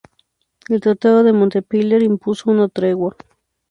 El tratado de Montpellier impuso una tregua.